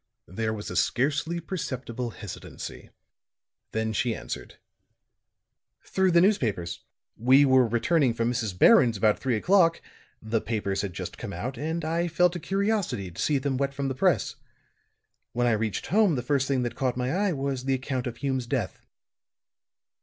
There was a scarcely perceptible hesitancy; then she answered: "Through the newspapers. We were returning from Mrs. Barron's about three o'clock. The papers had just come out, and I felt a curiosity to see them wet from the press. When I reached home the first thing that caught my eye was the account of Hume's death."